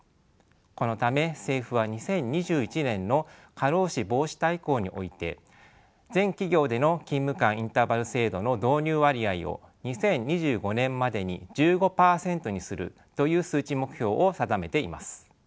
このため政府は２０２１年の過労死防止大綱において全企業での勤務間インターバル制度の導入割合を２０２５年までに１５％にするという数値目標を定めています。